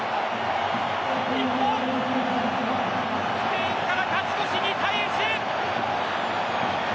日本、スペインから勝ち越し２対１。